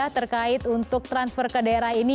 terkait untuk transfer ke daerah ini